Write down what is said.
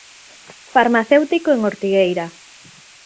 Farmacéutico en Ortigueira.